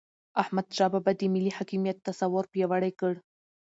د احمد شاه بابا د ملي حاکمیت تصور پیاوړی کړ.